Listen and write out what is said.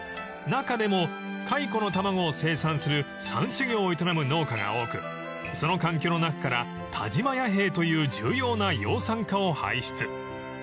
［中でも蚕の卵を生産する蚕種業を営む農家が多くその環境の中から田島弥平という重要な養蚕家を排出］